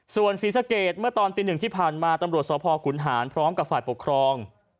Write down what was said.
ส่วนศรีสะเกดเมื่อตอนตีหนึ่งที่ผ่านมาตำรวจสพขุนหารพร้อมกับฝ่ายปกครอง